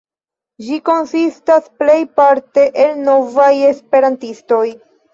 Ĝi konsistas plejparte el novaj esperantistoj.